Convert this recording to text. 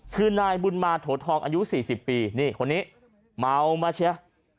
คือนายบุญมาโถทองอายุ๔๐ปีนี่คนนี้เมามาเชีย